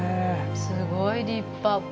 すごい立派。